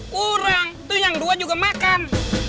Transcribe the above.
kurang itu yang dua juga makan